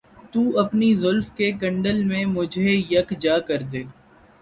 تو اپنی زلف کے کنڈل میں مجھے یکجا کر دے